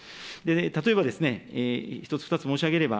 例えば、１つ、２つ申し上げれば、